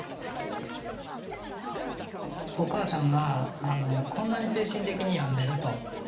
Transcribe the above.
お母さんがこんなに精神的に病んでると。